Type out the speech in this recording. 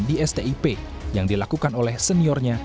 di stip yang dilakukan oleh seniornya